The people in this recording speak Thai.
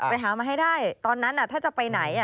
ไปหามาให้ได้ตอนนั้นถ้าจะไปไหน